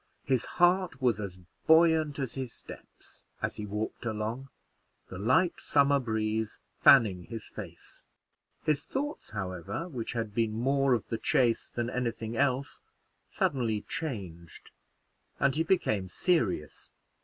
His heart was as buoyant as his steps, as he walked along, the light summer breeze fanning his face. His thoughts, however, which had been more of the chase than any thing else, suddenly changed, and he became serious.